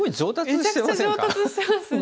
めちゃくちゃ上達してますね。